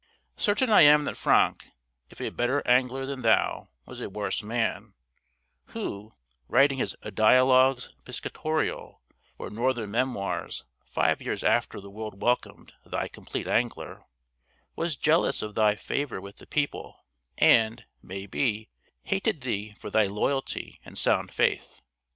Certain I am that Franck, if a better angler than thou, was a worse man, who, writing his 'Dialogues Piscatorial' or 'Northern Memoirs' five years after the world welcomed thy 'Compleat Angler,' was jealous of thy favour with the people, and, may be, hated thee for thy loyalty and sound faith.